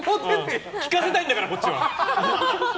聞かせたいんだから、こっちは。